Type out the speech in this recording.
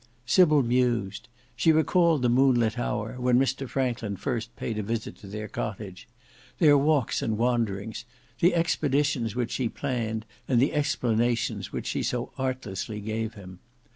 Sybil mused: she recalled the moonlit hour when Mr Franklin first paid a visit to their cottage, their walks and wanderings, the expeditions which she planned and the explanations which she so artlessly gave him.